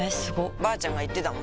ばあちゃんが言ってたもん